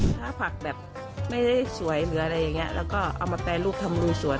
ถ้าผักแบบไม่ได้สวยหรืออะไรอย่างเงี้ยแล้วก็เอามาแปรรูปทำรูสวย